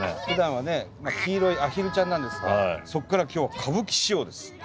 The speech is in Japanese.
ふだんはね黄色いアヒルちゃんなんですがそっから今日は歌舞伎仕様です。